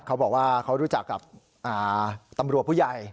เขาบอกว่าเขารู้จักกับตำรวจผู้ใหญ่